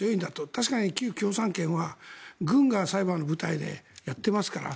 確かに旧共産圏は軍がサイバーの部隊でやっていますから。